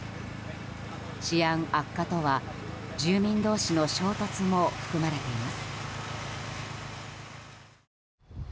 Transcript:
治安悪化とは、住民同士の衝突も含まれています。